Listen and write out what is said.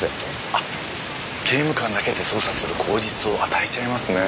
あっ刑務官だけで捜査する口実を与えちゃいますね。